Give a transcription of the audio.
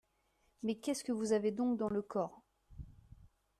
Mais qu’est-ce que vous avez donc dans le corps ?…